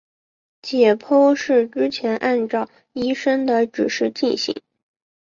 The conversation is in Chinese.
解剖是之前依照医生的指示进行。